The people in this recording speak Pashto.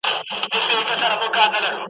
دې ویاله کي اوبه تللي سبا بیا پکښی بهېږي .